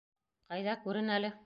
Ҡайҙа, күрен әле...